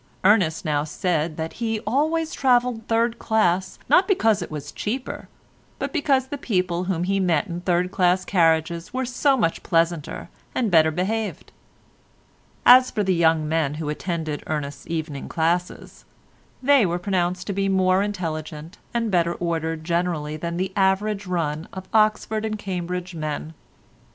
Ernest now said that he always travelled third class not because it was cheaper, but because the people whom he met in third class carriages were so much pleasanter and better behaved. As for the young men who attended Ernest's evening classes, they were pronounced to be more intelligent and better ordered generally than the average run of Oxford and Cambridge men.